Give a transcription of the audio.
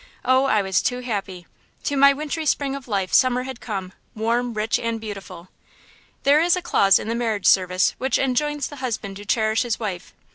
Oh, I was too happy! To my wintry spring of life summer had come, warm, rich and beautiful! There is a clause in the marriage service which enjoins the husband to cherish his wife.